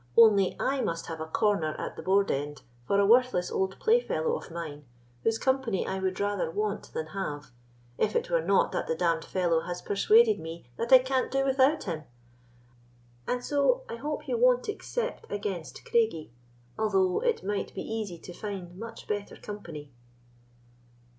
Only I must have a corner at the board end for a worthless old playfellow of mine, whose company I would rather want than have, if it were not that the d—d fellow has persuaded me that I can't do without him; and so I hope you won't except against Craigie, although it might be easy to find much better company."